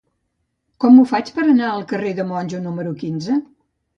Com ho faig per anar al carrer de Monjo número quinze?